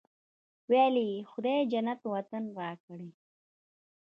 ویل یې خدای جنت وطن راکړی.